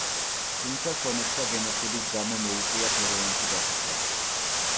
თუმცა სომეხთა გენოციდის გამო მოუწიათ ერევანში დასახლება.